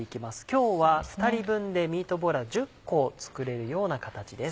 今日は２人分でミートボールは１０個作れるような形です。